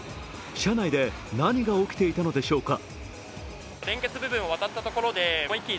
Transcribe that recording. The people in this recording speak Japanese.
車内で何が起きていたのでしょうか。